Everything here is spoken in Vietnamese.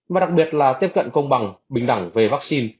và đặc biệt là tiếp cận công bằng bình đẳng về vaccine